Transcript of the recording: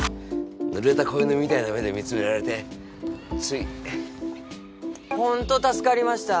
ぬれた子犬みたいな目で見つめられてつい本当助かりました